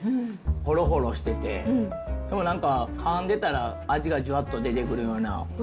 ほろほろしてて、でもなんか、かんでたら味がじゅわっと出てくるような。